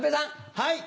はい。